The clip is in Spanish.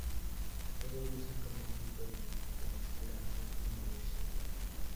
Todo luce como si perteneciera al universo.